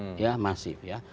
jadi itu kan masif pak